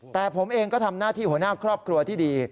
แต่ผมเองก็ทำหน้าที่หัวหน้าครอบครัวที่ดี